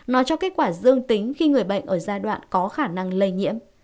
nó cho kết quả dương tính khi người bệnh ở giai đoạn có khả năng lây nhiễm